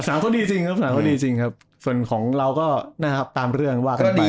สนามเขาดีจริงส่วนของเราก็ตามเรื่องว่ากันไป